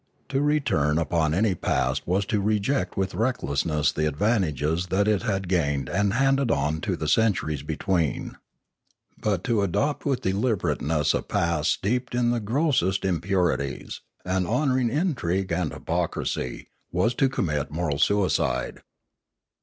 To return upon any past was to reject with recklessness the advantages that it had gained and handed on to the centuries between. But 600 Limanora to adopt with deliberateness a past steeped in the gross est impurities, and honouring intrigue and hypocrisy, was to commit moral suicide.